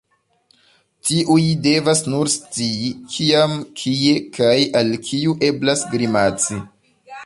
Tiuj devas nur scii, kiam, kie, kaj al kiu eblas grimaci.